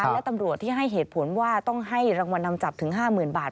และตำรวจที่ให้เหตุผลว่าต้องให้รางวัลนำจับถึง๕๐๐๐บาท